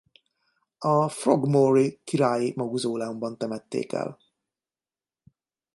A Frogmore-i Királyi Mauzóleumban temették el.